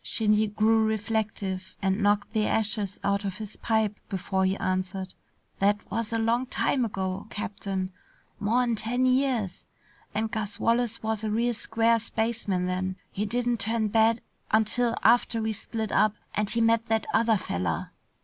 Shinny grew reflective and knocked the ashes out of his pipe before he answered. "That was a long time ago, Captain. More'n ten years. And Gus Wallace was a real square spaceman then. He didn't turn bad until after we split up and he met that other feller."